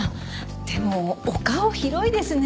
でもお顔広いですね。